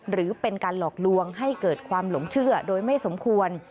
หรือเป็นการหลอกลวงให้เกิดความหลงเชื่อโดยไม่สมควร